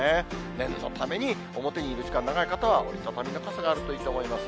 念のために、表にいる時間、長い方は折り畳みの傘があるといいと思います。